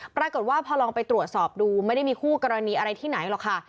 ปรากฏว่าพอลองไปตรวจสอบดูไม่ได้มีคู่กรณีอะไรที่ไหนหรอกค่ะ